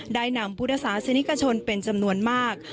ได้นำพุทธศาสนิกชนเป็นจำนวนมาก